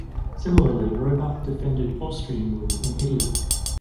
Similarly Roebuck defended Austrian rule in Italy.